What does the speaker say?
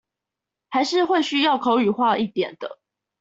還是會需要口語化一點的